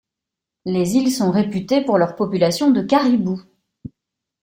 Les îles sont réputées pour leur population de caribous.